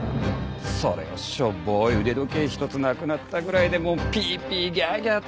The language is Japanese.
それをショボい腕時計一つなくなったぐらいでもうピーピーギャーギャーと。